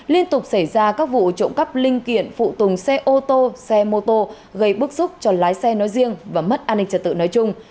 liên tục xảy ra các vụ trộm cắp linh kiện phụ tùng xe ô tô xe mô tô gây bức xúc cho lái xe nói riêng và mất an ninh trật tự nói chung